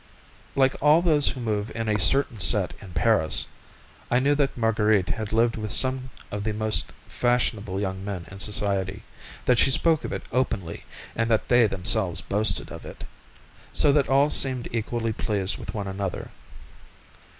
Like all those who move in a certain set in Paris, I knew that Marguerite had lived with some of the most fashionable young men in society, that she spoke of it openly, and that they themselves boasted of it; so that all seemed equally pleased with one another.